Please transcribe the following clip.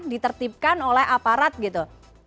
ditertipkan oleh aparat gitu